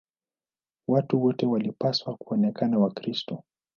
Watu wote walipaswa kuonekana Wakristo.